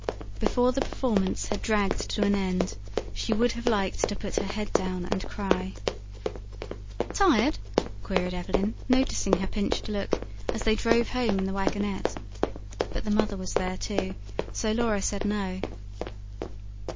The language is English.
Before the performance had dragged to an end, she would have liked to put her head down and cry. "Tired?" queried Evelyn noticing her pinched look, as they drove home in the wagonette. But the mother was there, too, so Laura said no.